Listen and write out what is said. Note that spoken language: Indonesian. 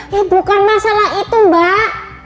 ini bukan masalah itu mbak